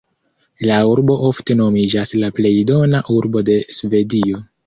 La urbo ofte nomiĝas "la plej dana urbo de Svedio".